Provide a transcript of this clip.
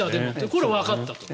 これはわかったと。